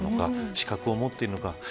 資格を持っているのか。